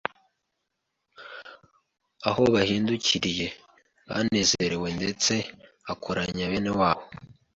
Aho bahindukiriye banezerewe, Ndebe akoranya bene wabo,